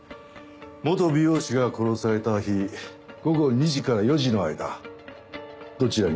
元美容師が殺された日午後２時から４時の間どちらにいらっしゃいましたか？